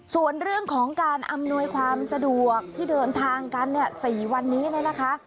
ส่วนเรื่องของการอำนวยความสะดวกที่เดินทางกันเนี่ย๔วันนี้เนี่ยนะคะ